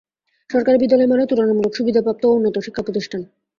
সরকারি বিদ্যালয় মানে তুলনামূলক সুবিধাপ্রাপ্ত ও উন্নত শিক্ষাপ্রতিষ্ঠান।